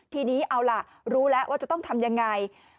ทีนี้เอาล่ะรู้แล้วว่าจะต้องทำยังไง